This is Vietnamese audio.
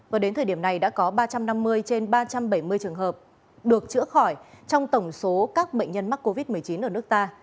và đến thời điểm này đã có ba trăm năm mươi trên ba trăm bảy mươi trường hợp được chữa khỏi trong tổng số các bệnh nhân mắc covid một mươi chín ở nước ta